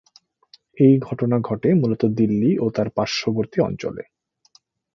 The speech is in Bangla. এই ঘটনা ঘটে মূলত দিল্লি ও তার পার্শ্ববর্তী অঞ্চলে।